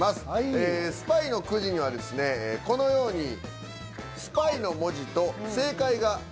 ええスパイのくじにはこのように「スパイ」の文字と正解が。